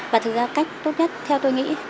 và thực ra cách tốt nhất theo tôi nghĩ